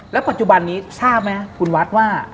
แล้วปัจจุบันนี้ทราบไหมคุณวัฒน์ว่า